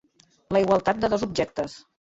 La igualtat de dos objectes.